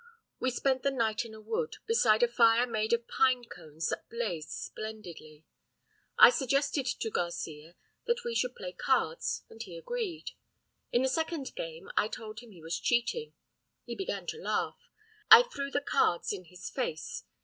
We spent the night in a wood, beside a fire made of pine cones that blazed splendidly. I suggested to Garcia that we should play cards, and he agreed. In the second game I told him he was cheating; he began to laugh; I threw the cards in his face.